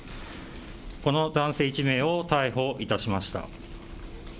この男性１名を逮捕いたしました。